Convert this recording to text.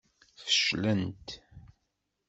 Feclent.